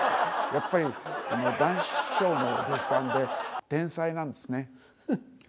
やっぱり談志師匠のお弟子さんで、天才なんですね。